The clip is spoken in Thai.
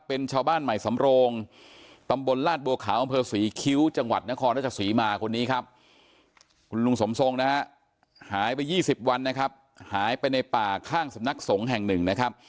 เป็นชาวบ้านใหม่สำรงตำบลราชบัวขาวบำเภอสลยี